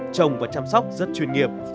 trồng và chăm sóc rất chuyên nghiệp